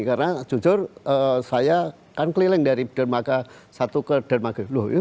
karena jujur saya kan keliling dari dermaga satu ke dermaga sepuluh